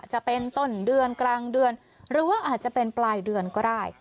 จะเป็นต้นเดือนกลางเดือนหรือว่าอาจจะเป็นปลายเดือนก็ได้